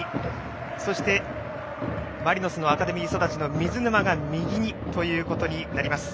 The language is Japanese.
そして、マリノスのアカデミー育ちの水沼が右にということになります。